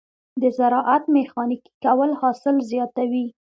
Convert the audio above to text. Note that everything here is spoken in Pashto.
د زراعت ميخانیکي کول حاصل زیاتوي.